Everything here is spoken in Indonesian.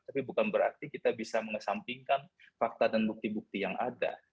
tapi bukan berarti kita bisa mengesampingkan fakta dan bukti bukti yang ada